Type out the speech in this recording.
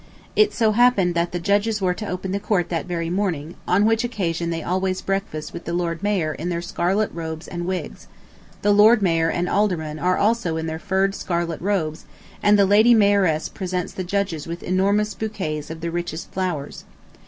It so happened that the judges were to open the court that very morning, on which occasion they always breakfast with the Lord Mayor in their scarlet robes and wigs, the Lord Mayor and aldermen are also in their furred scarlet robes and the Lady Mayoress presents the judges with enormous bouquets of the richest flowers.